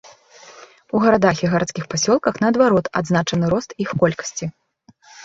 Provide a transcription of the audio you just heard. У гарадах і гарадскіх пасёлках, наадварот, адзначаны рост іх колькасці.